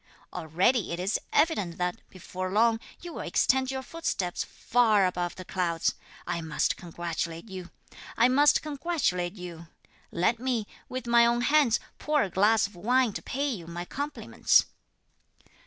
Already it is evident that, before long, you will extend your footsteps far above the clouds! I must congratulate you! I must congratulate you! Let me, with my own hands, pour a glass of wine to pay you my compliments."